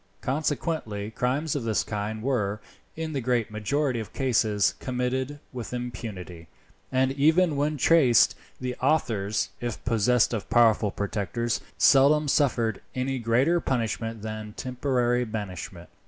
Consequently crimes of this kind were, in the great majority of cases, committed with impunity, and even when traced, the authors, if possessed of powerful protectors, seldom suffered any greater punishment than temporary banishment.